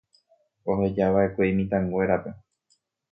Ohejava'ekue imitãnguérape.